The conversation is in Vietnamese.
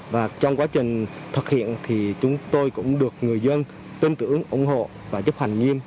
và trong quá trình thực hiện thì chúng tôi cũng được người dân tin tưởng ủng hộ và chấp hành nghiêm